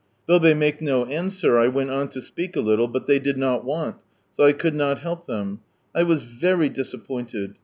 Though they make no answer, I went on to speak a little, but they did not want, so I could not help them. I was very disappointed.